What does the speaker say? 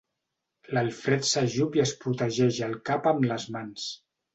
L'Alfred s'ajup i es protegeix el cap amb les mans.